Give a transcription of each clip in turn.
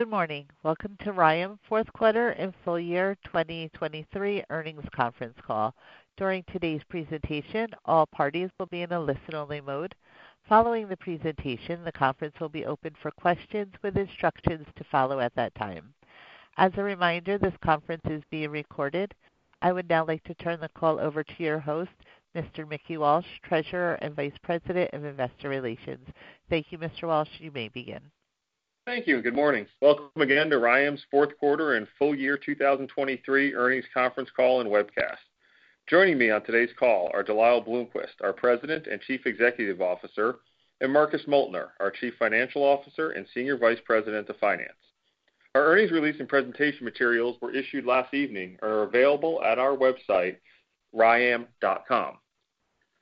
Good morning. Welcome to RYAM fourth quarter and full year 2023 earnings conference call. During today's presentation, all parties will be in a listen-only mode. Following the presentation, the conference will be open for questions with instructions to follow at that time. As a reminder, this conference is being recorded. I would now like to turn the call over to your host, Mr. Mickey Walsh, Treasurer and Vice President of Investor Relations. Thank you, Mr. Walsh, you may begin. Thank you, and good morning. Welcome again to RYAM's fourth quarter and full year 2023 earnings conference call and webcast. Joining me on today's call are De Lyle Bloomquist, our President and Chief Executive Officer, and Marcus Moeltner, our Chief Financial Officer and Senior Vice President of Finance. Our earnings release and presentation materials were issued last evening and are available at our website, ryam.com.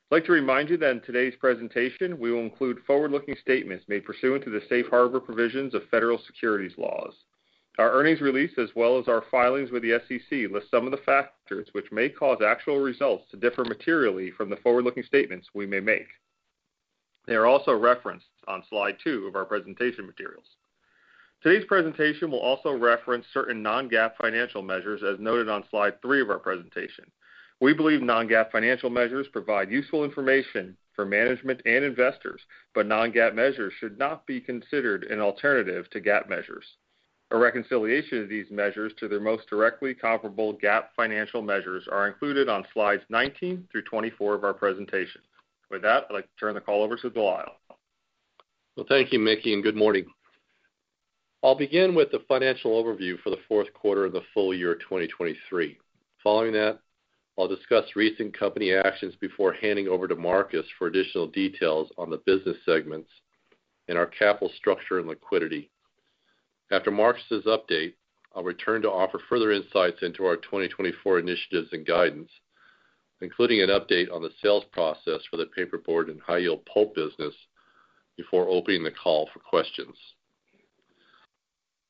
I'd like to remind you that in today's presentation, we will include forward-looking statements made pursuant to the Safe Harbor Provisions of Federal Securities Laws. Our earnings release, as well as our filings with the SEC, list some of the factors which may cause actual results to differ materially from the forward-looking statements we may make. They are also referenced on slide 2 of our presentation materials. Today's presentation will also reference certain non-GAAP financial measures, as noted on slide 3 of our presentation. We believe non-GAAP financial measures provide useful information for management and investors, but non-GAAP measures should not be considered an alternative to GAAP measures. A reconciliation of these measures to their most directly comparable GAAP financial measures are included on slides 19 through 24 of our presentation. With that, I'd like to turn the call over to De Lyle. Well, thank you, Mickey, and good morning. I'll begin with the financial overview for the fourth quarter of the full year of 2023. Following that, I'll discuss recent company actions before handing over to Marcus for additional details on the business segments and our capital structure and liquidity. After Marcus's update, I'll return to offer further insights into our 2024 initiatives and guidance, including an update on the sales process for the paperboard and high-yield pulp business, before opening the call for questions.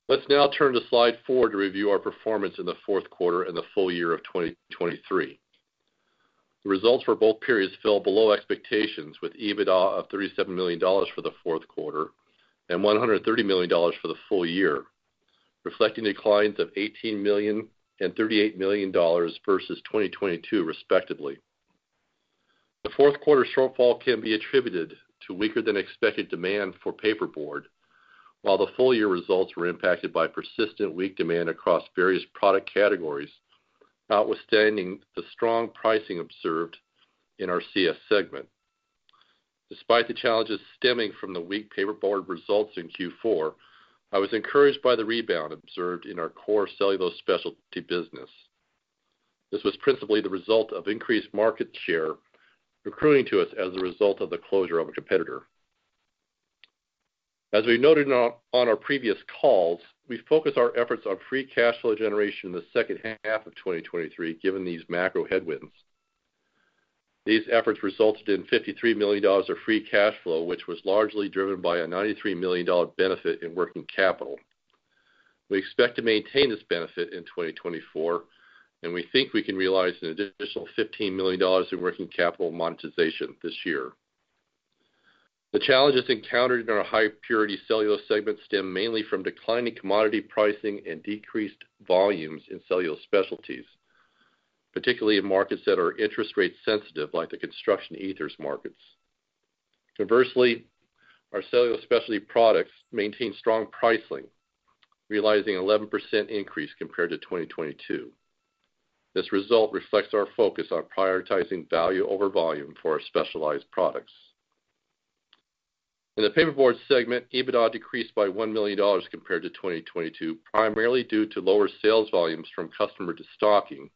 Let's now turn to slide 4 to review our performance in the fourth quarter and the full year of 2023. The results for both periods fell below expectations, with EBITDA of $37 million for the fourth quarter and $130 million for the full year, reflecting declines of $18 million and $38 million versus 2022, respectively. The fourth quarter shortfall can be attributed to weaker than expected demand for paperboard, while the full year results were impacted by persistent weak demand across various product categories, notwithstanding the strong pricing observed in our CS segment. Despite the challenges stemming from the weak paperboard results in Q4, I was encouraged by the rebound observed in our core cellulose specialty business. This was principally the result of increased market share accruing to us as a result of the closure of a competitor. As we noted on our previous calls, we've focused our efforts on free cash flow generation in the second half of 2023, given these macro headwinds. These efforts resulted in $53 million of free cash flow, which was largely driven by a $93 million benefit in working capital. We expect to maintain this benefit in 2024, and we think we can realize an additional $15 million in working capital monetization this year. The challenges encountered in our High Purity Cellulose segment stem mainly from declining commodity pricing and decreased volumes in Cellulose Specialties, particularly in markets that are interest rate sensitive, like the construction ethers markets. Conversely, our Cellulose Specialty products maintain strong pricing, realizing 11% increase compared to 2022. This result reflects our focus on prioritizing value over volume for our specialized products. In the Paperboard segment, EBITDA decreased by $1 million compared to 2022, primarily due to lower sales volumes from customer destocking,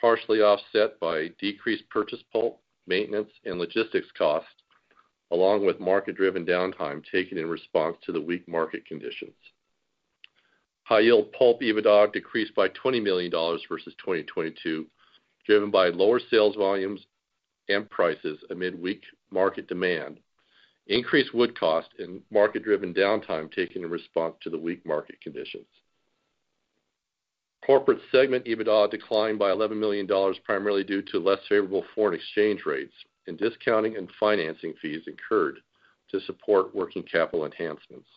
partially offset by decreased purchase pulp, maintenance, and logistics costs, along with market-driven downtime taken in response to the weak market conditions. High-Yield Pulp EBITDA decreased by $20 million versus 2022, driven by lower sales volumes and prices amid weak market demand, increased wood cost, and market-driven downtime taken in response to the weak market conditions. Corporate segment EBITDA declined by $11 million, primarily due to less favorable foreign exchange rates and discounting and financing fees incurred to support working capital enhancements.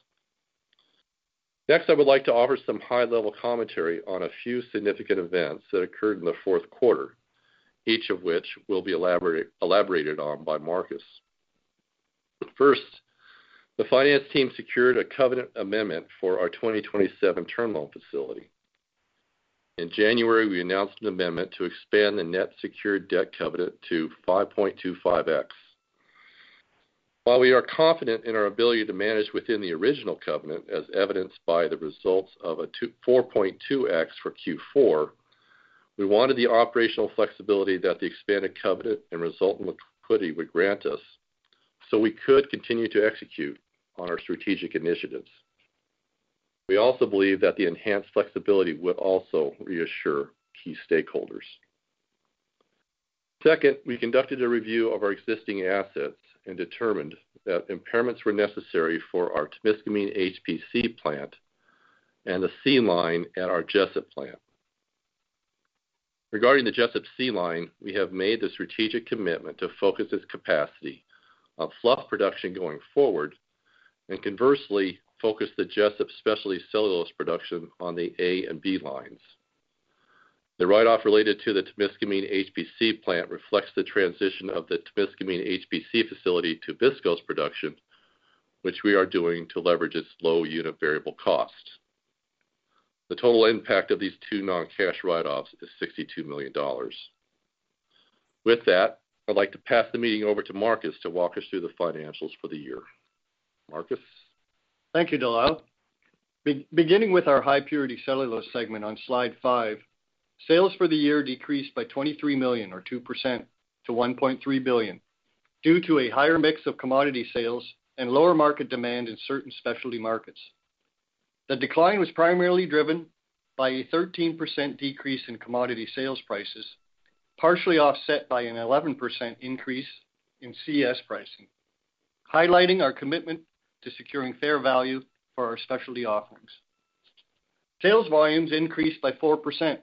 Next, I would like to offer some high-level commentary on a few significant events that occurred in the fourth quarter, each of which will be elaborated on by Marcus. First, the finance team secured a covenant amendment for our 2027 term loan facility. In January, we announced an amendment to expand the net secured debt covenant to 5.25x. While we are confident in our ability to manage within the original covenant, as evidenced by the results of a 2.4x for Q4, we wanted the operational flexibility that the expanded covenant and resultant liquidity would grant us, so we could continue to execute on our strategic initiatives. We also believe that the enhanced flexibility would also reassure key stakeholders. Second, we conducted a review of our existing assets and determined that impairments were necessary for our Temiscaming HPC plant and the C line at our Jesup plant. Regarding the Jesup C line, we have made the strategic commitment to focus its capacity on fluff production going forward, and conversely, focus the Jesup specialty cellulose production on the A and B lines. The write-off related to the Temiscaming HPC plant reflects the transition of the Temiscaming HPC facility to viscose production, which we are doing to leverage its low unit variable cost. The total impact of these two non-cash write-offs is $62 million. With that, I'd like to pass the meeting over to Marcus to walk us through the financials for the year. Marcus? Thank you, De Lyle. Beginning with our High Purity Cellulose segment on Slide 5, sales for the year decreased by $23 million, or 2%, to $1.3 billion, due to a higher mix of commodity sales and lower market demand in certain specialty markets. The decline was primarily driven by a 13% decrease in commodity sales prices, partially offset by an 11% increase in CS pricing, highlighting our commitment to securing fair value for our specialty offerings. Sales volumes increased by 4%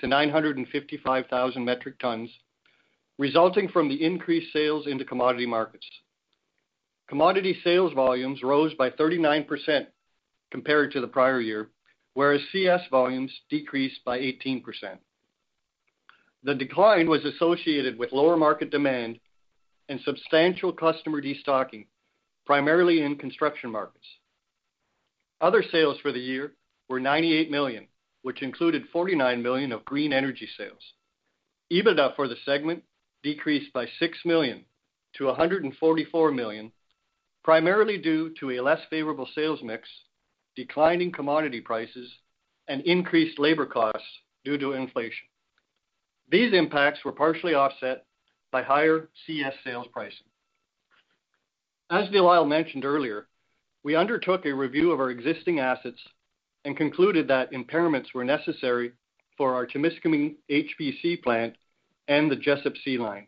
to 955,000 metric tons, resulting from the increased sales into commodity markets. Commodity sales volumes rose by 39% compared to the prior year, whereas CS volumes decreased by 18%. The decline was associated with lower market demand and substantial customer destocking, primarily in construction markets. Other sales for the year were $98 million, which included $49 million of green energy sales. EBITDA for the segment decreased by $6 million to $144 million, primarily due to a less favorable sales mix, declining commodity prices, and increased labor costs due to inflation. These impacts were partially offset by higher CS sales pricing. As De Lyle mentioned earlier, we undertook a review of our existing assets and concluded that impairments were necessary for our Temiscaming HPC plant and the Jesup C line.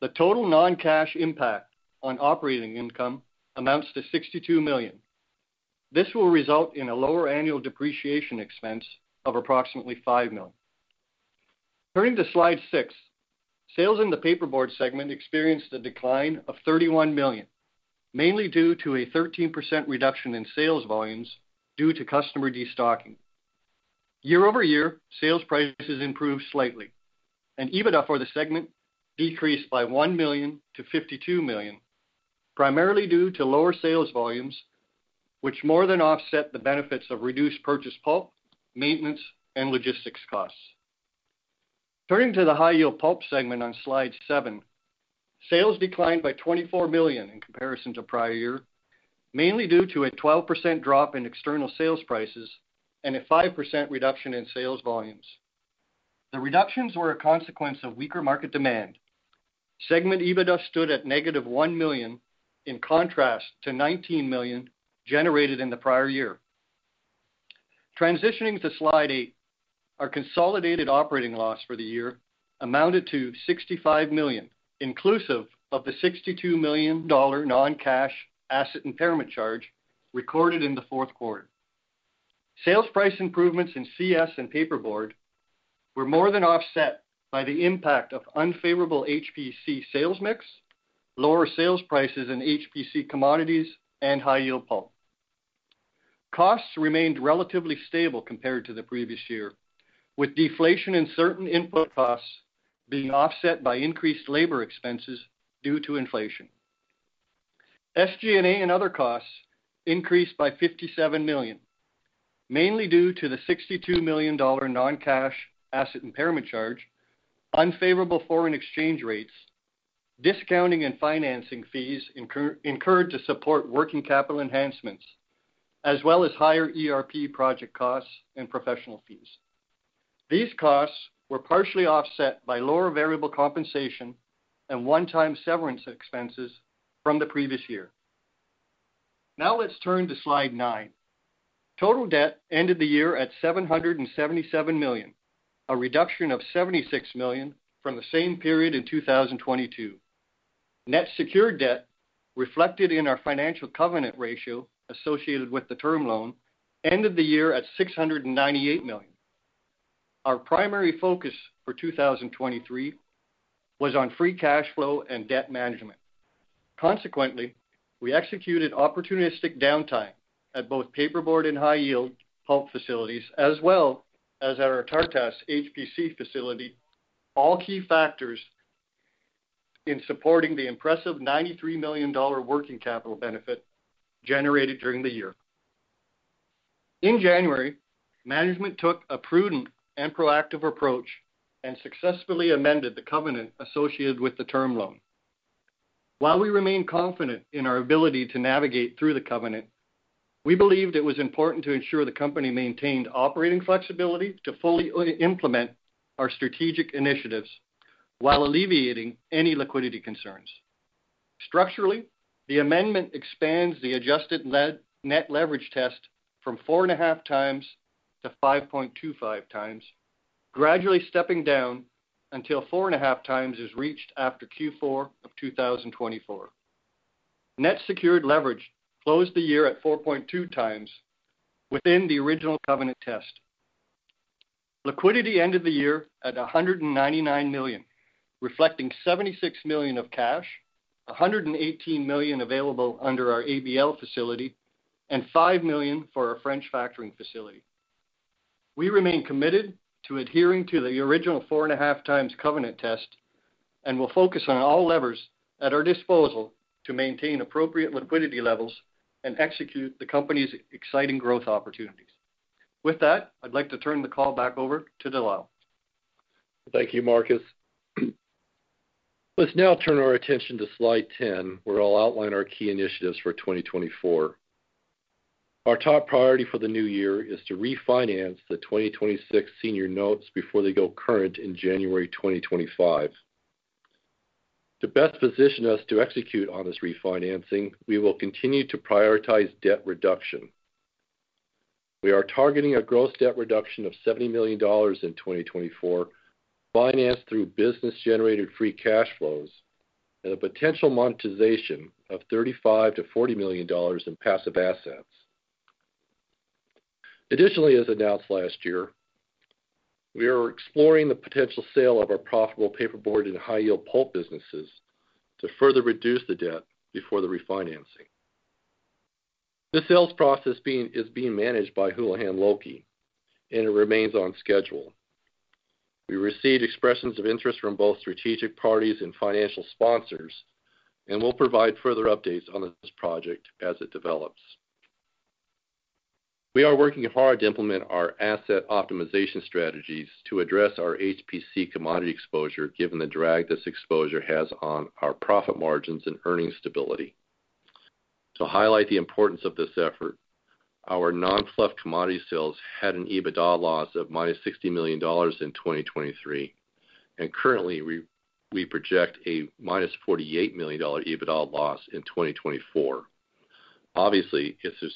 The total non-cash impact on operating income amounts to $62 million. This will result in a lower annual depreciation expense of approximately $5 million. Turning to Slide 6, sales in the paperboard segment experienced a decline of $31 million, mainly due to a 13% reduction in sales volumes due to customer destocking. Year over year, sales prices improved slightly, and EBITDA for the segment decreased by $1 million to $52 million, primarily due to lower sales volumes, which more than offset the benefits of reduced purchase pulp, maintenance, and logistics costs. Turning to the high-yield pulp segment on Slide 7, sales declined by $24 million in comparison to prior year, mainly due to a 12% drop in external sales prices and a 5% reduction in sales volumes. The reductions were a consequence of weaker market demand. Segment EBITDA stood at -$1 million, in contrast to $19 million generated in the prior year. Transitioning to Slide 8, our consolidated operating loss for the year amounted to $65 million, inclusive of the $62 million non-cash asset impairment charge recorded in the fourth quarter. Sales price improvements in CS and paperboard were more than offset by the impact of unfavorable HPC sales mix, lower sales prices in HPC commodities, and high-yield pulp. Costs remained relatively stable compared to the previous year, with deflation in certain input costs being offset by increased labor expenses due to inflation. SG&A and other costs increased by $57 million, mainly due to the $62 million non-cash asset impairment charge, unfavorable foreign exchange rates, discounting and financing fees incurred to support working capital enhancements, as well as higher ERP project costs and professional fees. These costs were partially offset by lower variable compensation and one-time severance expenses from the previous year. Now let's turn to Slide 9. Total debt ended the year at $777 million, a reduction of $76 million from the same period in 2022. Net secured debt, reflected in our financial covenant ratio associated with the term loan, ended the year at $698 million. Our primary focus for 2023 was on free cash flow and debt management. Consequently, we executed opportunistic downtime at both paperboard and high-yield pulp facilities, as well as at our Tartas HPC facility, all key factors in supporting the impressive $93 million working capital benefit generated during the year. In January, management took a prudent and proactive approach and successfully amended the covenant associated with the term loan. While we remain confident in our ability to navigate through the covenant, we believed it was important to ensure the company maintained operating flexibility to fully implement our strategic initiatives while alleviating any liquidity concerns. Structurally, the amendment expands the adjusted net leverage test from 4.5 times to 5.25 times, gradually stepping down until 4.5 times is reached after Q4 of 2024. Net secured leverage closed the year at 4.2 times within the original covenant test. Liquidity ended the year at $199 million, reflecting $76 million of cash, $118 million available under our ABL facility, and $5 million for our French factoring facility. We remain committed to adhering to the original 4.5 times covenant test, and we'll focus on all levers at our disposal to maintain appropriate liquidity levels and execute the company's exciting growth opportunities. With that, I'd like to turn the call back over to De Lyle. Thank you, Marcus. Let's now turn our attention to slide 10, where I'll outline our key initiatives for 2024. Our top priority for the new year is to refinance the 2026 senior notes before they go current in January 2025. To best position us to execute on this refinancing, we will continue to prioritize debt reduction. We are targeting a gross debt reduction of $70 million in 2024, financed through business-generated free cash flows and a potential monetization of $35 million-$40 million in passive assets. Additionally, as announced last year, we are exploring the potential sale of our profitable paperboard and high-yield pulp businesses to further reduce the debt before the refinancing. The sales process is being managed by Houlihan Lokey, and it remains on schedule. We received expressions of interest from both strategic parties and financial sponsors, and we'll provide further updates on this project as it develops. We are working hard to implement our asset optimization strategies to address our HPC commodity exposure, given the drag this exposure has on our profit margins and earnings stability. To highlight the importance of this effort, our non-fluff commodity sales had an EBITDA loss of -$60 million in 2023, and currently, we project a -$48 million EBITDA loss in 2024. Obviously, this is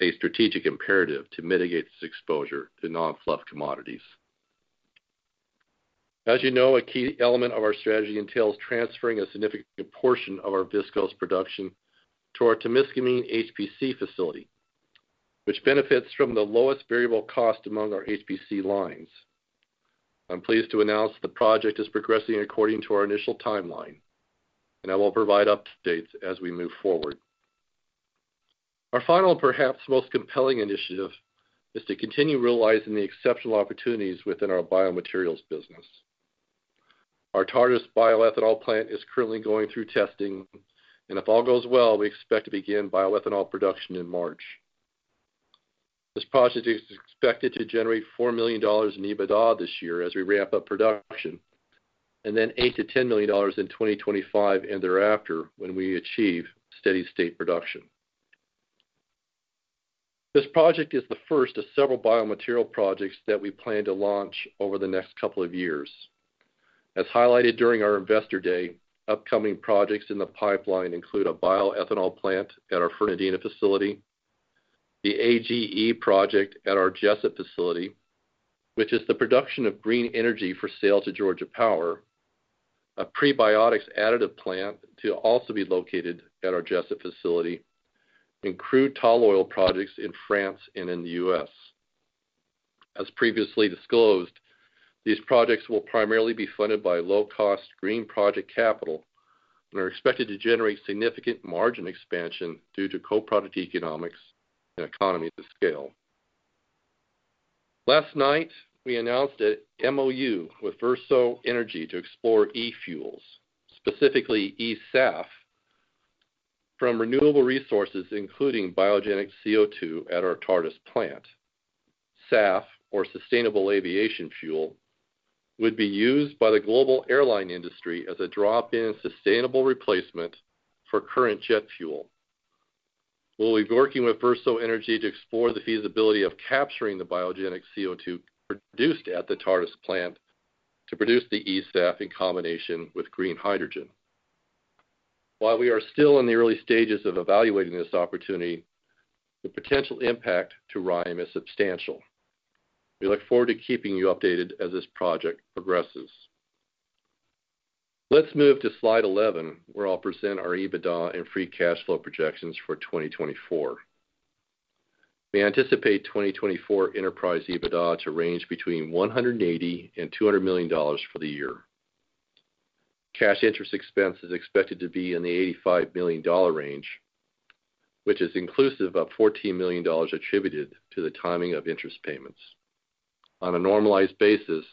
a strategic imperative to mitigate this exposure to non-fluff commodities. As you know, a key element of our strategy entails transferring a significant portion of our viscose production to our Temiscaming HPC facility, which benefits from the lowest variable cost among our HPC lines. I'm pleased to announce the project is progressing according to our initial timeline, and I will provide updates as we move forward. Our final, and perhaps most compelling initiative, is to continue realizing the exceptional opportunities within our biomaterials business. Our Tartas bioethanol plant is currently going through testing, and if all goes well, we expect to begin bioethanol production in March. This project is expected to generate $4 million in EBITDA this year as we ramp up production, and then $8 million-$10 million in 2025 and thereafter when we achieve steady state production. This project is the first of several biomaterial projects that we plan to launch over the next couple of years. As highlighted during our Investor Day, upcoming projects in the pipeline include a bioethanol plant at our Fernandina facility, the AGE project at our Jesup facility, which is the production of green energy for sale to Georgia Power, a prebiotics additive plant to also be located at our Jesup facility, and crude tall oil projects in France and in the US. As previously disclosed, these projects will primarily be funded by low-cost green project capital and are expected to generate significant margin expansion due to co-product economics and economies of scale. Last night, we announced an MOU with Verso Energy to explore e-fuels, specifically eSAF, from renewable resources, including biogenic CO2 at our Tartas plant. SAF, or sustainable aviation fuel, would be used by the global airline industry as a drop-in sustainable replacement for current jet fuel. We'll be working with Verso Energy to explore the feasibility of capturing the biogenic CO2 produced at the Tartas plant to produce the eSAF in combination with green hydrogen. While we are still in the early stages of evaluating this opportunity, the potential impact to RYAM is substantial. We look forward to keeping you updated as this project progresses. Let's move to slide 11, where I'll present our EBITDA and free cash flow projections for 2024. We anticipate 2024 enterprise EBITDA to range between $180 million and $200 million for the year. Cash interest expense is expected to be in the $85 million range, which is inclusive of $14 million attributed to the timing of interest payments. On a normalized basis,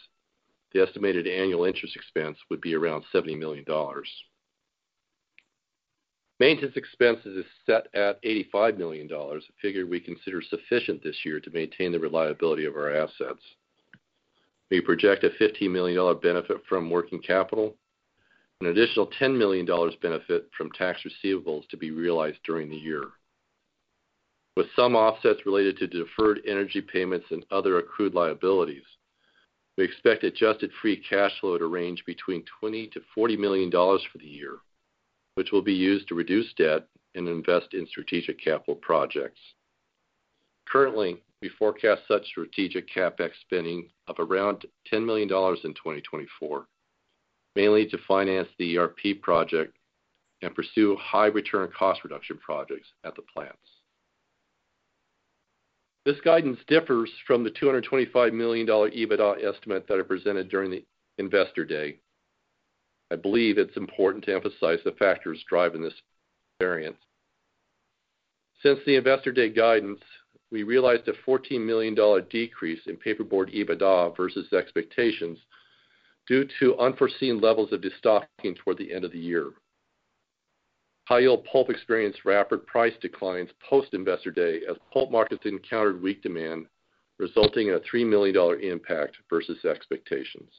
the estimated annual interest expense would be around $70 million. Maintenance expenses is set at $85 million, a figure we consider sufficient this year to maintain the reliability of our assets. We project a $50 million benefit from working capital, an additional $10 million benefit from tax receivables to be realized during the year. With some offsets related to deferred energy payments and other accrued liabilities, we expect adjusted free cash flow to range between $20 million-$40 million for the year, which will be used to reduce debt and invest in strategic capital projects. Currently, we forecast such strategic CapEx spending of around $10 million in 2024, mainly to finance the ERP project and pursue high return cost reduction projects at the plants. This guidance differs from the $225 million EBITDA estimate that I presented during the Investor Day. I believe it's important to emphasize the factors driving this variance. Since the Investor Day guidance, we realized a $14 million decrease in paperboard EBITDA versus expectations due to unforeseen levels of destocking toward the end of the year. High-yield pulp experienced rapid price declines post Investor Day, as pulp markets encountered weak demand, resulting in a $3 million impact versus expectations.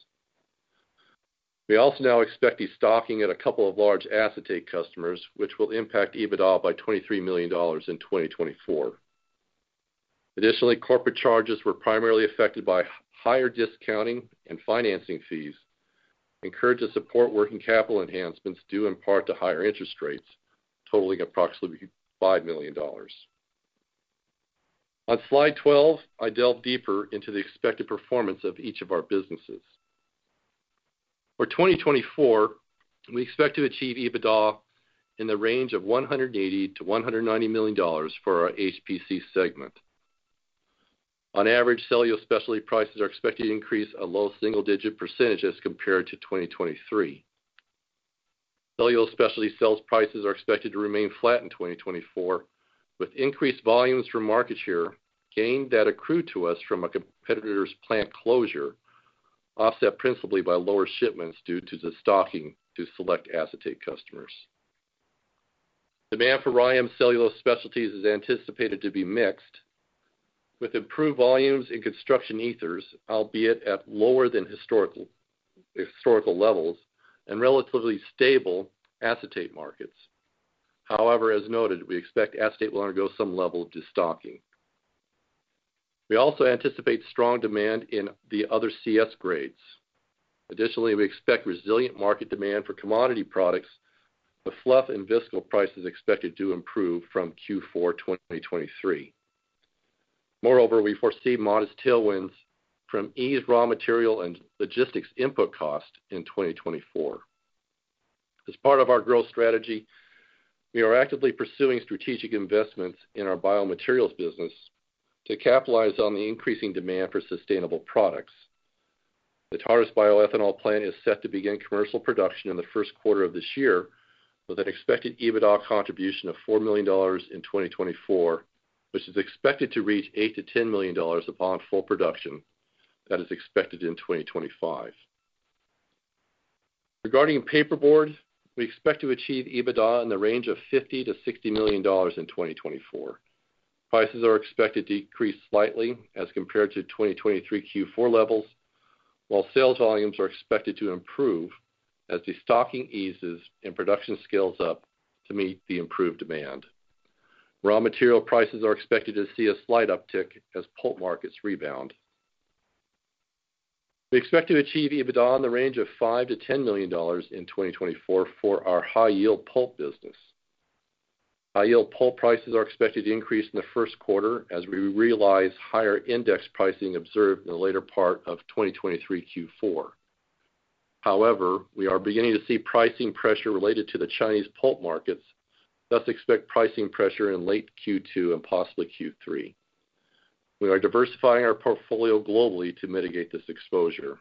We also now expect destocking at a couple of large acetate customers, which will impact EBITDA by $23 million in 2024. Additionally, corporate charges were primarily affected by higher discounting and financing fees, encouraged to support working capital enhancements, due in part to higher interest rates, totaling approximately $5 million. On Slide 12, I delve deeper into the expected performance of each of our businesses. For 2024, we expect to achieve EBITDA in the range of $180 million-$190 million for our HPC segment. On average, Cellulose Specialties prices are expected to increase a low single-digit % as compared to 2023. Cellulose Specialties sales prices are expected to remain flat in 2024, with increased volumes from market share gain that accrued to us from a competitor's plant closure, offset principally by lower shipments due to destocking to select acetate customers. Demand for RYAM Cellulose Specialties is anticipated to be mixed, with improved volumes in construction ethers, albeit at lower than historical levels and relatively stable acetate markets. However, as noted, we expect acetate will undergo some level of destocking. We also anticipate strong demand in the other CS grades. Additionally, we expect resilient market demand for commodity products, with fluff and viscose prices expected to improve from Q4 2023. Moreover, we foresee modest tailwinds from eased raw material and logistics input cost in 2024. As part of our growth strategy, we are actively pursuing strategic investments in our biomaterials business to capitalize on the increasing demand for sustainable products. The Tartas bioethanol plant is set to begin commercial production in the first quarter of this year, with an expected EBITDA contribution of $4 million in 2024, which is expected to reach $8 million-$10 million upon full production. That is expected in 2025. Regarding paperboard, we expect to achieve EBITDA in the range of $50 million-$60 million in 2024. Prices are expected to decrease slightly as compared to 2023 Q4 levels, while sales volumes are expected to improve as destocking eases and production scales up to meet the improved demand. Raw material prices are expected to see a slight uptick as pulp markets rebound. We expect to achieve EBITDA in the range of $5 million-$10 million in 2024 for our High-Yield Pulp business. High-Yield Pulp prices are expected to increase in the first quarter as we realize higher index pricing observed in the later part of 2023 Q4. However, we are beginning to see pricing pressure related to the Chinese pulp markets, thus expect pricing pressure in late Q2 and possibly Q3. We are diversifying our portfolio globally to mitigate this exposure.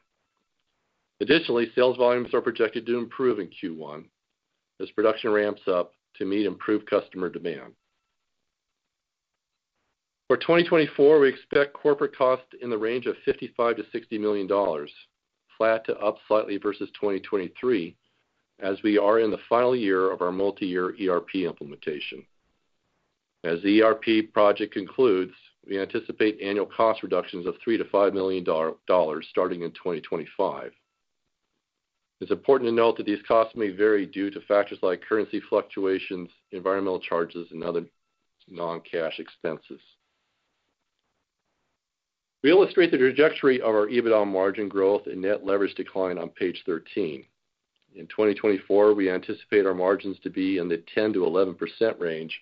Additionally, sales volumes are projected to improve in Q1 as production ramps up to meet improved customer demand. For 2024, we expect corporate costs in the range of $55 million-$60 million, flat to up slightly versus 2023, as we are in the final year of our multi-year ERP implementation. As the ERP project concludes, we anticipate annual cost reductions of $3-$5 million starting in 2025. It's important to note that these costs may vary due to factors like currency fluctuations, environmental charges, and other non-cash expenses. We illustrate the trajectory of our EBITDA margin growth and net leverage decline on page 13. In 2024, we anticipate our margins to be in the 10%-11% range,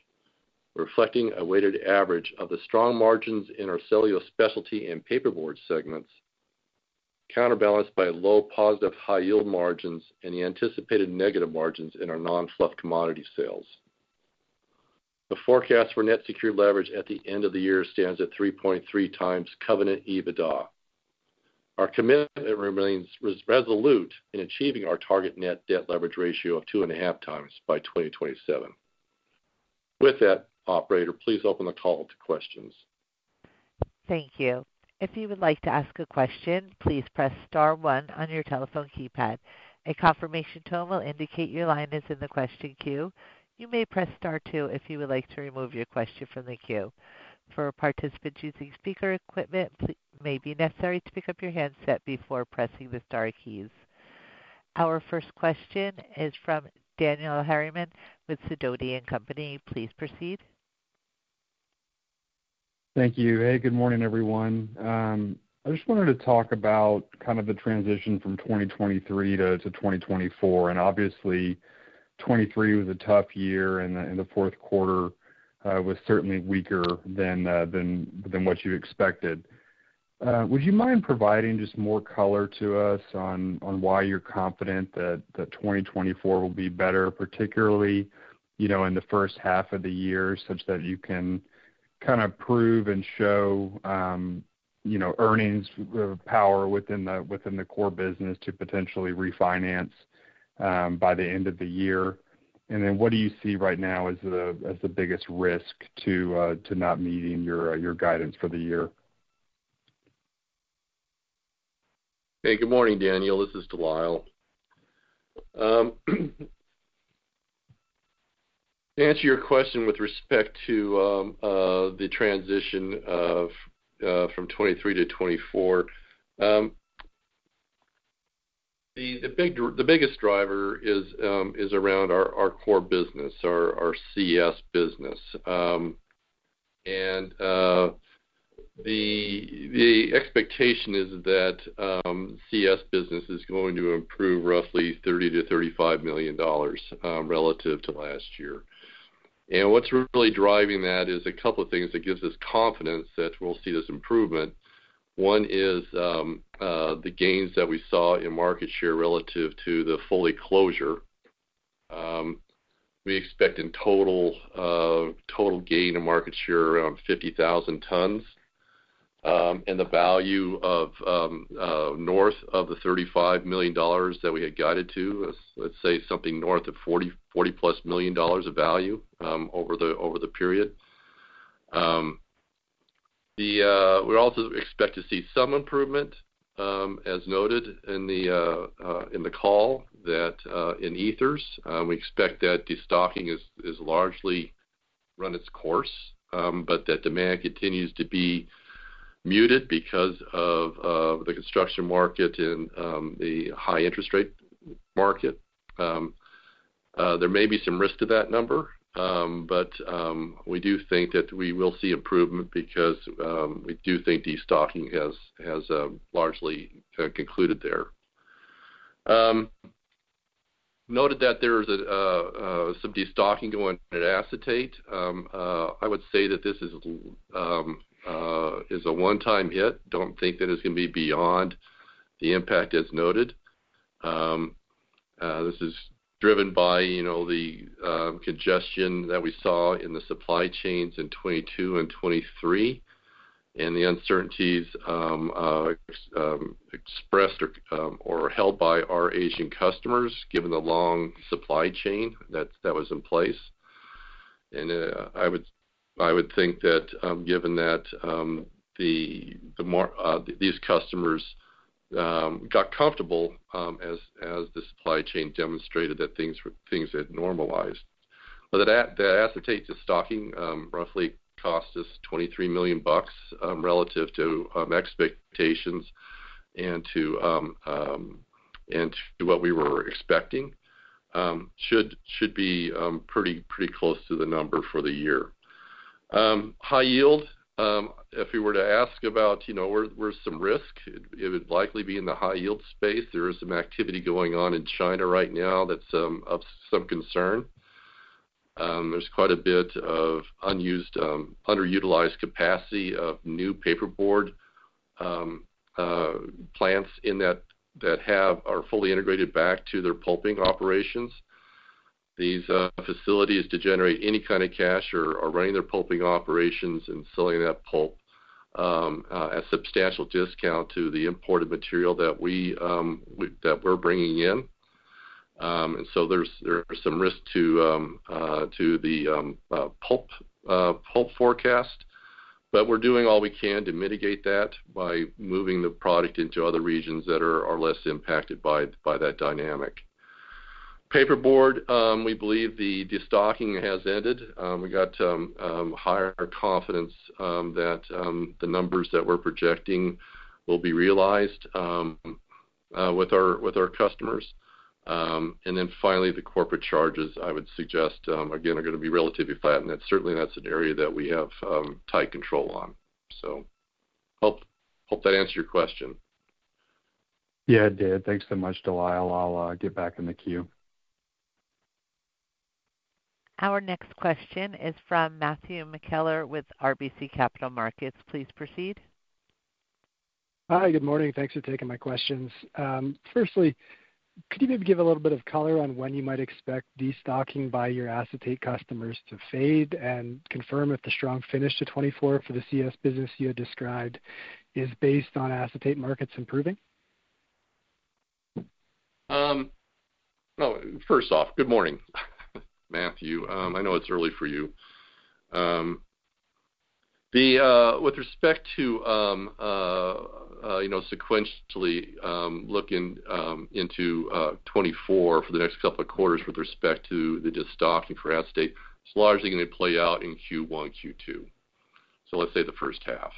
reflecting a weighted average of the strong margins in our cellulose specialty and paperboard segments, counterbalanced by low positive high-yield margins and the anticipated negative margins in our non-fluff commodity sales. The forecast for net secured leverage at the end of the year stands at 3.3 times covenant EBITDA. Our commitment remains resolute in achieving our target net debt leverage ratio of 2.5 times by 2027. With that, operator, please open the call to questions. Thank you. If you would like to ask a question, please press star one on your telephone keypad. A confirmation tone will indicate your line is in the question queue. You may press star two if you would like to remove your question from the queue. For participants using speaker equipment, it may be necessary to pick up your handset before pressing the star keys. Our first question is from Daniel Harriman with Sidoti & Company. Please proceed. Thank you. Hey, good morning, everyone. I just wanted to talk about kind of the transition from 2023 to 2024. And obviously, 2023 was a tough year, and the fourth quarter was certainly weaker than what you expected. Would you mind providing just more color to us on why you're confident that 2024 will be better, particularly, you know, in the first half of the year, such that you can kind of prove and show, you know, earnings power within the core business to potentially refinance by the end of the year? And then what do you see right now as the biggest risk to not meeting your guidance for the year? Hey, good morning, Daniel. This is De Lyle. To answer your question with respect to the transition from 2023 to 2024, the biggest driver is around our core business, our CS business. And the expectation is that CS business is going to improve roughly $30 million-$35 million relative to last year. And what's really driving that is a couple of things that gives us confidence that we'll see this improvement. One is the gains that we saw in market share relative to the Foley closure. We expect in total, total gain in market share around 50,000 tons, and the value of, north of the $35 million that we had guided to, let's, let's say something north of $40, $40+ million dollars of value, over the period. We also expect to see some improvement, as noted in the call, that in ethers, we expect that destocking is largely run its course, but that demand continues to be muted because of the construction market and the high interest rate market. There may be some risk to that number, but we do think that we will see improvement because we do think destocking has largely concluded there. Noted that there is some destocking going on in acetate. I would say that this is a one-time hit. Don't think that it's gonna be beyond the impact as noted. This is driven by, you know, the congestion that we saw in the supply chains in 2022 and 2023, and the uncertainties expressed or held by our Asian customers, given the long supply chain that was in place. And I would think that, given that, the more these customers got comfortable as the supply chain demonstrated that things had normalized. But that acetate destocking roughly cost us $23 million, relative to, and to what we were expecting, should be pretty close to the number for the year. High yield, if we were to ask about, you know, where's some risk, it would likely be in the high yield space. There is some activity going on in China right now that's of some concern. There's quite a bit of unused underutilized capacity of new paperboard plants in that that are fully integrated back to their pulping operations. These facilities, to generate any kind of cash, are running their pulping operations and selling that pulp at substantial discount to the imported material that we're bringing in. And so there are some risk to the pulp forecast. But we're doing all we can to mitigate that by moving the product into other regions that are less impacted by that dynamic. Paperboard, we believe the destocking has ended. We got higher confidence that the numbers that we're projecting will be realized with our customers. And then finally, the corporate charges, I would suggest, again, are gonna be relatively flat, and that's certainly, that's an area that we have tight control on. So hope that answered your question. Yeah, it did. Thanks so much, De Lyle. I'll get back in the queue. Our next question is from Matthew McKellar with RBC Capital Markets. Please proceed. Hi, good morning. Thanks for taking my questions. Firstly, could you maybe give a little bit of color on when you might expect destocking by your acetate customers to fade? And confirm if the strong finish to 2024 for the CS business you had described is based on acetate markets improving? Well, first off, good morning, Matthew. I know it's early for you. With respect to, you know, sequentially, looking into 2024 for the next couple of quarters with respect to the destocking for acetate, it's largely gonna play out in Q1, Q2, so let's say the first half.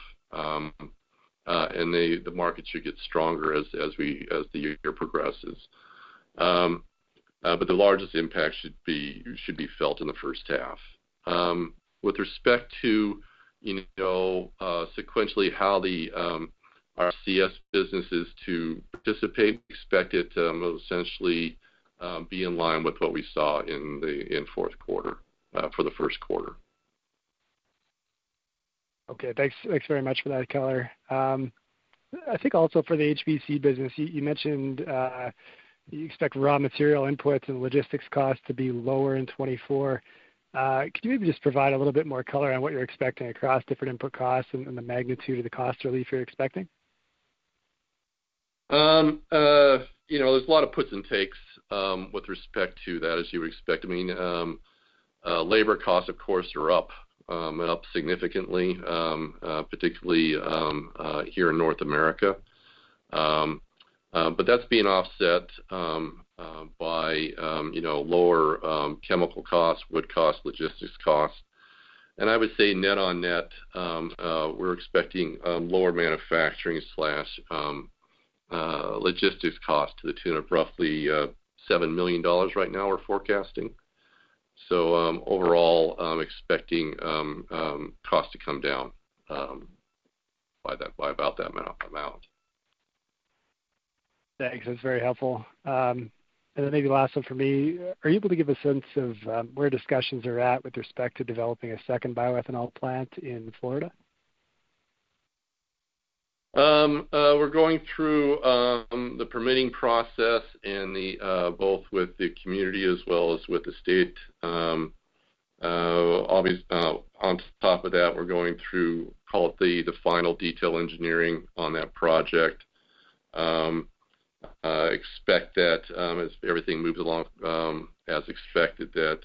And the market should get stronger as the year progresses. But the largest impact should be felt in the first half. With respect to, you know, sequentially, how our CS business is to participate. We expect it to essentially be in line with what we saw in the fourth quarter for the first quarter. Okay, thanks. Thanks very much for that color. I think also for the HPC business, you, you mentioned, you expect raw material inputs and logistics costs to be lower in 2024. Can you maybe just provide a little bit more color on what you're expecting across different input costs and, and the magnitude of the cost relief you're expecting? You know, there's a lot of puts and takes with respect to that, as you would expect. I mean, labor costs, of course, are up and up significantly, particularly here in North America. But that's being offset by, you know, lower chemical costs, wood costs, logistics costs. And I would say net on net, we're expecting lower manufacturing logistics cost to the tune of roughly $7 million right now, we're forecasting. So, overall, I'm expecting costs to come down by that - by about that amount, amount. Thanks. That's very helpful. And then maybe last one for me. Are you able to give a sense of, where discussions are at with respect to developing a second bioethanol plant in Florida? We're going through the permitting process in both with the community as well as with the state. On top of that, we're going through, call it the final detail engineering on that project. I expect that as everything moves along as expected, that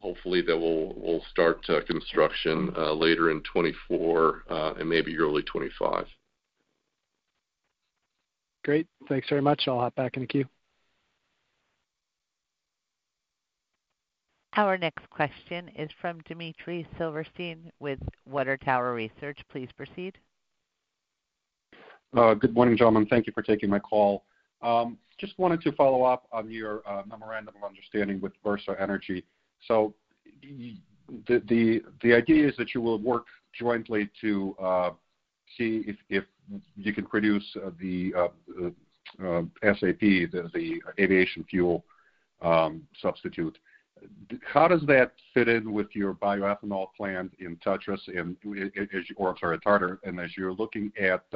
hopefully we'll start construction later in 2024 and maybe early 2025. Great. Thanks very much. I'll hop back in the queue. Our next question is from Dmitry Silversteyn with Water Tower Research. Please proceed. Good morning, gentlemen. Thank you for taking my call. Just wanted to follow up on your memorandum of understanding with Verso Energy. So the idea is that you will work jointly to see if you can produce the SAF, the aviation fuel substitute. How does that fit in with your bioethanol plant in Tartas, or I'm sorry, Tartas? And as you're looking at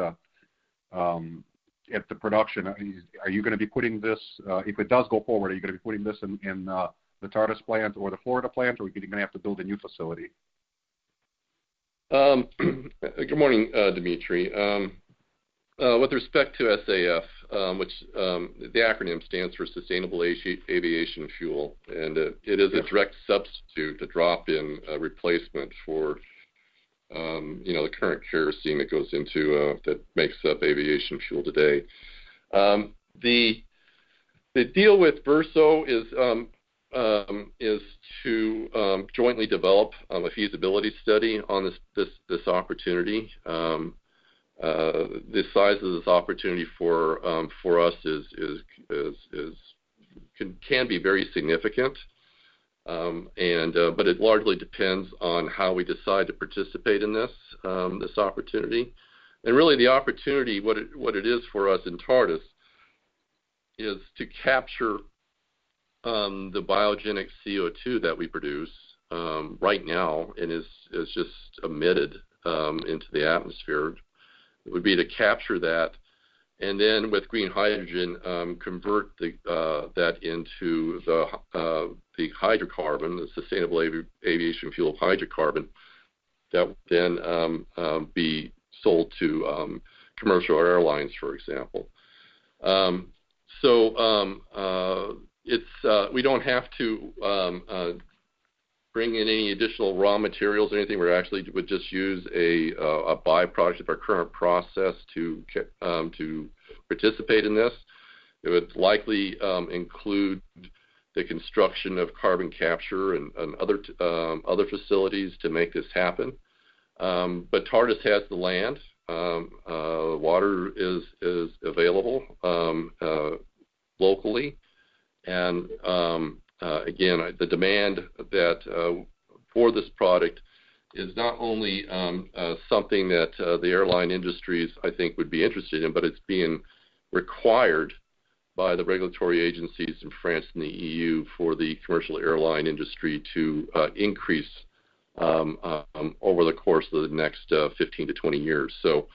the production, are you gonna be putting this, if it does go forward, are you gonna be putting this in the Tartas plant or the Florida plant, or are you gonna have to build a new facility? Good morning, Dmitry. With respect to SAF, which the acronym stands for Sustainable Aviation Fuel, and it is a direct substitute, a drop-in replacement for, you know, the current kerosene that goes into that makes up aviation fuel today. The deal with Verso is to jointly develop a feasibility study on this opportunity. The size of this opportunity for us is—can be very significant, and but it largely depends on how we decide to participate in this opportunity. And really, the opportunity, what it is for us in Tartas is to capture the biogenic CO2 that we produce right now, and is just emitted into the atmosphere. It would be to capture that, and then with green hydrogen, convert that into the hydrocarbon, the sustainable aviation fuel hydrocarbon, that would then be sold to commercial airlines, for example. So, it's we don't have to bring in any additional raw materials or anything. We're actually would just use a by-product of our current process to participate in this. It would likely include the construction of carbon capture and other facilities to make this happen. But Tartas has the land. Water is available locally. Again, the demand for this product is not only something that the airline industries, I think, would be interested in, but it's being required by the regulatory agencies in France and the EU for the commercial airline industry to increase over the course of the next 15-20 years. So,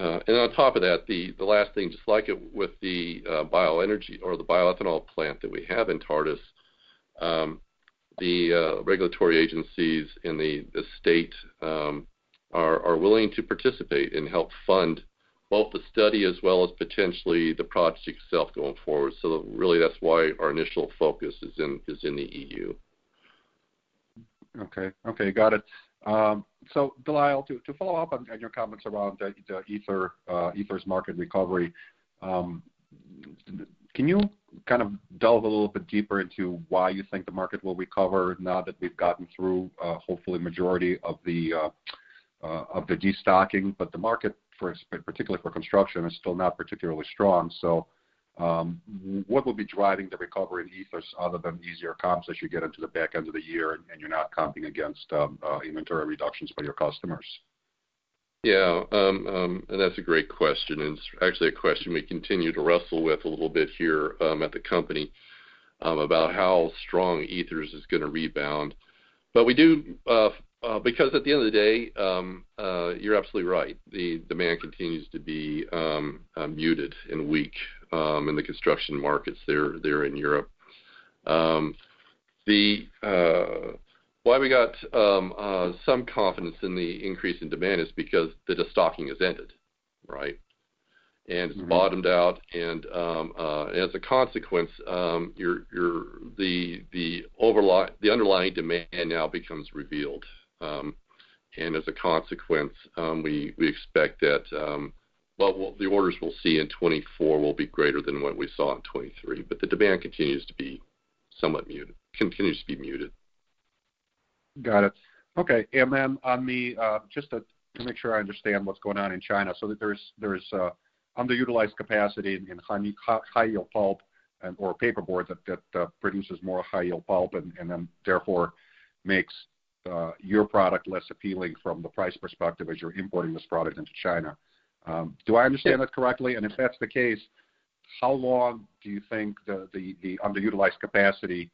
and on top of that, the last thing, just like it with the bioenergy or the bioethanol plant that we have in Tartas, the regulatory agencies in the state are willing to participate and help fund both the study as well as potentially the project itself going forward. So really, that's why our initial focus is in the EU. Okay. Okay, got it. So De Lyle, to follow up on your comments around the ethers market recovery, can you kind of delve a little bit deeper into why you think the market will recover now that we've gotten through, hopefully, majority of the destocking? But the market for, particularly for construction, is still not particularly strong. So what will be driving the recovery in ethers other than easier comps as you get into the back end of the year, and you're not comping against inventory reductions by your customers? Yeah, and that's a great question, and it's actually a question we continue to wrestle with a little bit here at the company about how strong ethers is gonna rebound. But we do because at the end of the day you're absolutely right. The demand continues to be muted and weak in the construction markets there in Europe. The why we got some confidence in the increase in demand is because the destocking has ended, right? Mm-hmm. It's bottomed out, and, as a consequence, the underlying demand now becomes revealed. And as a consequence, we expect that, well, the orders we'll see in 2024 will be greater than what we saw in 2023, but the demand continues to be somewhat muted, continues to be muted. Got it. Okay, and then on the, just to make sure I understand what's going on in China, so that there's, there is, underutilized capacity in, in high-yield pulp and or paperboard that, that, produces more high-yield pulp and, and then, therefore, makes, your product less appealing from the price perspective as you're importing this product into China. Do I understand that correctly? Yes. If that's the case, how long do you think the underutilized capacity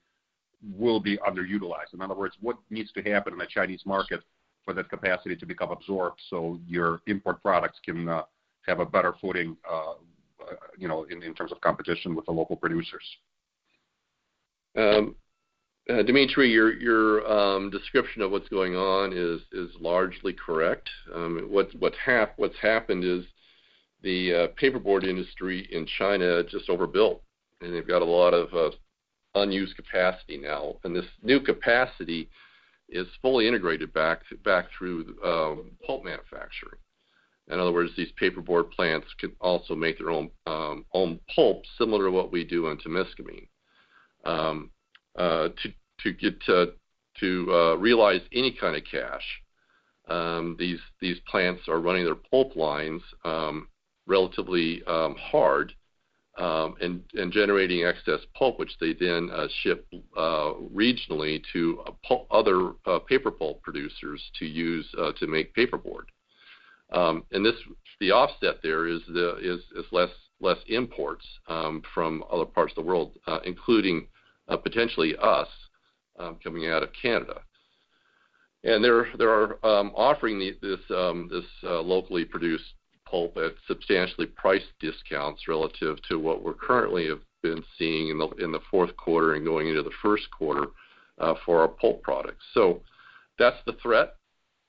will be underutilized? In other words, what needs to happen in the Chinese market for that capacity to become absorbed so your import products can have a better footing, you know, in terms of competition with the local producers? Dmitry, your description of what's going on is largely correct. What's happened is the paperboard industry in China just overbuilt, and they've got a lot of unused capacity now, and this new capacity is fully integrated back through pulp manufacturing. In other words, these paperboard plants can also make their own pulp, similar to what we do in Temiscaming. To realize any kind of cash, these plants are running their pulp lines relatively hard and generating excess pulp, which they then ship regionally to other paperboard producers to use to make paperboard. And this, the offset there is less imports from other parts of the world, including potentially U.S. coming out of Canada. And they're offering this locally produced pulp at substantially priced discounts relative to what we're currently have been seeing in the fourth quarter and going into the first quarter for our pulp products. So that's the threat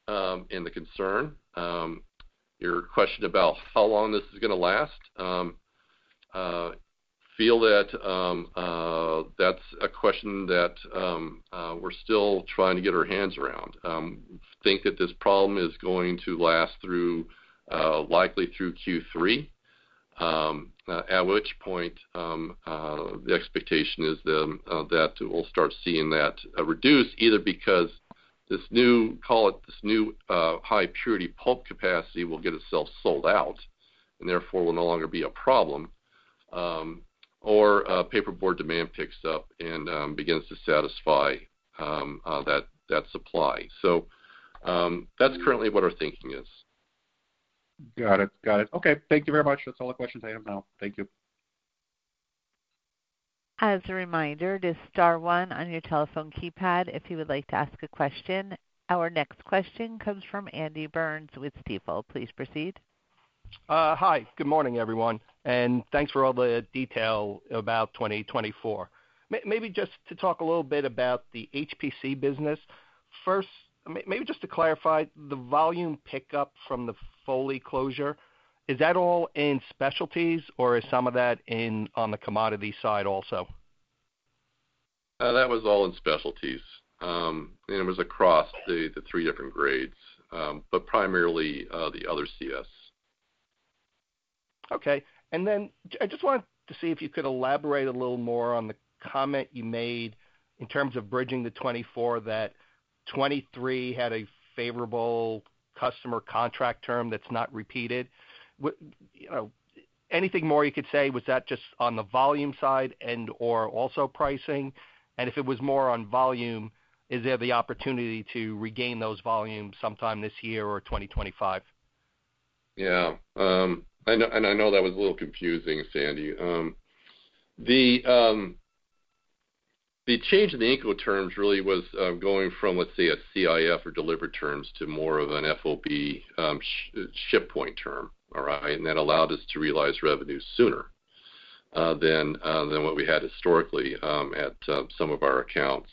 and the concern. Your question about how long this is gonna last, feel that that's a question that we're still trying to get our hands around. Think that this problem is going to last through, likely through Q3, at which point, the expectation is then, that we'll start seeing that reduce, either because this new, call it, this new, high purity pulp capacity will get itself sold out, and therefore, will no longer be a problem, or, paperboard demand picks up and, begins to satisfy, that supply. So, that's currently what our thinking is. Got it. Got it. Okay, thank you very much. That's all the questions I have now. Thank you. As a reminder, just star one on your telephone keypad if you would like to ask a question. Our next question comes from Andy Burns with Stifel. Please proceed. Hi, good morning, everyone, and thanks for all the detail about 2024. Maybe just to talk a little bit about the HPC business. First, maybe just to clarify, the volume pickup from the Foley closure, is that all in specialties, or is some of that in on the commodity side also? That was all in specialties. It was across the, the three different grades, but primarily, the other CS. Okay, and then I just wanted to see if you could elaborate a little more on the comment you made in terms of bridging the 2024, that 2023 had a favorable customer contract term that's not repeated. You know, anything more you could say? Was that just on the volume side and/or also pricing? And if it was more on volume, is there the opportunity to regain those volumes sometime this year or 2025? Yeah, and I know that was a little confusing, Andy. The change in the Incoterms really was going from, let's say, a CIF or delivered terms to more of an FOB ship point term. All right? And that allowed us to realize revenue sooner than what we had historically at some of our accounts.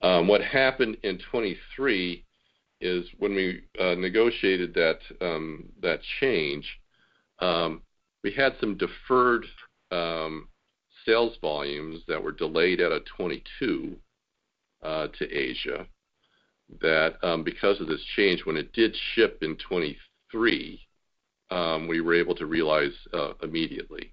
What happened in 2023 is when we negotiated that change, we had some deferred sales volumes that were delayed out of 2022 to Asia. That, because of this change, when it did ship in 2023, we were able to realize immediately.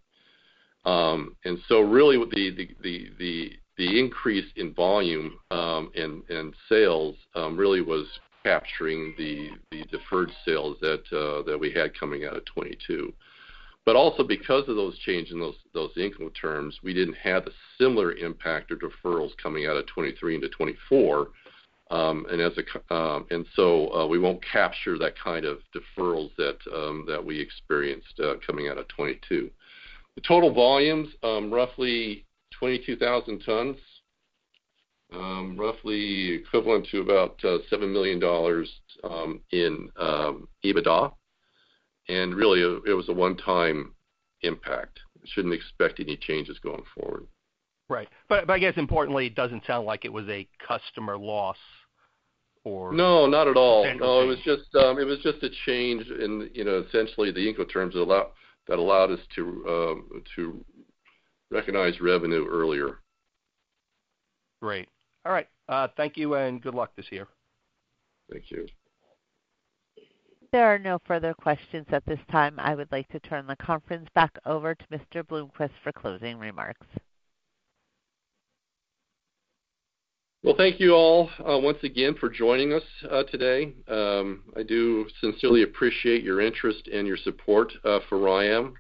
And so really, what the increase in volume in sales really was capturing the deferred sales that we had coming out of 2022. But also because of those changes in those Incoterms, we didn't have the similar impact or deferrals coming out of 2023 into 2024. And so, we won't capture that kind of deferrals that we experienced coming out of 2022. The total volumes roughly 22,000 tons, roughly equivalent to about $7 million in EBITDA, and really, it was a one-time impact. We shouldn't expect any changes going forward. Right. But I guess importantly, it doesn't sound like it was a customer loss or- No, not at all. Standard change. No, it was just, it was just a change in, you know, essentially, the Incoterms that allowed us to, to recognize revenue earlier. Great. All right, thank you, and good luck this year. Thank you. There are no further questions at this time. I would like to turn the conference back over to Mr. Bloomquist for closing remarks. Well, thank you all once again for joining us today. I do sincerely appreciate your interest and your support for RYAM.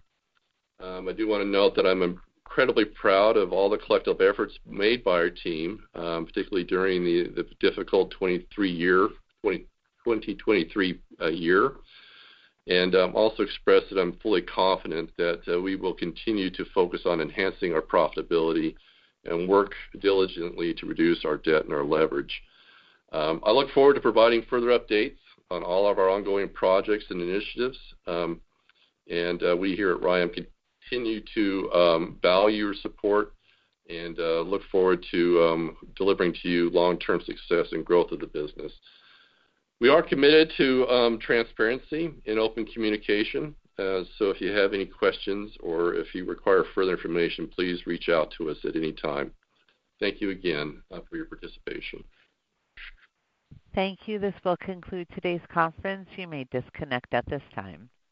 I do wanna note that I'm incredibly proud of all the collective efforts made by our team, particularly during the difficult 2023 year. And also express that I'm fully confident that we will continue to focus on enhancing our profitability and work diligently to reduce our debt and our leverage. I look forward to providing further updates on all of our ongoing projects and initiatives. And we here at RYAM continue to value your support and look forward to delivering to you long-term success and growth of the business. We are committed to transparency and open communication, so if you have any questions or if you require further information, please reach out to us at any time. Thank you again for your participation. Thank you. This will conclude today's conference. You may disconnect at this time.